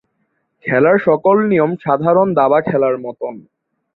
খেলার সকল নিয়ম সাধারণ দাবা খেলার মতন।